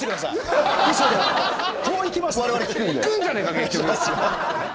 行くんじゃねえか結局。